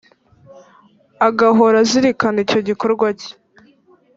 agahora azirikana icyo gikorwa cye,